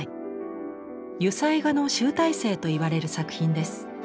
油彩画の集大成といわれる作品です。